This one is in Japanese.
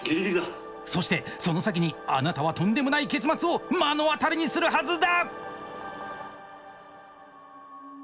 そしてその先にあなたはとんでもない結末を目の当たりにするはずだ！